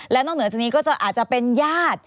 และนอกเหนือจากนี้ก็จะอาจจะเป็นญาติ